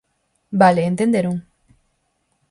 Vale, ¿entenderon?